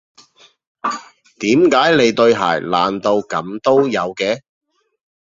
點解你對鞋爛到噉都有嘅？